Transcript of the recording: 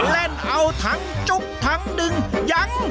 แรรเอาทางจุ๊บทางดึงยัง